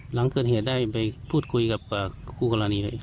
หลังเกิดเหตุได้ไปพูดคุยกับคู่กรณีแล้ว